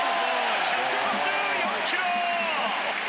１５４キロ！